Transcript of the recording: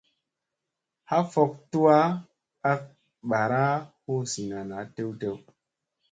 Ha fok tuwa ak ɓaara hu zina tew tew.